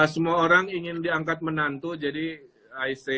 semua orang ingin diangkat menantu jadi i say i love you